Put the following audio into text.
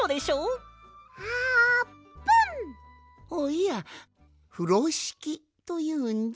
いや「ふろしき」というんじゃ。